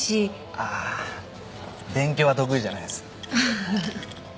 ああ勉強は得意じゃないです。